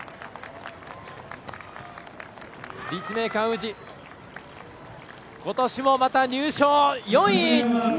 立命館宇治ことしもまた入賞、４位。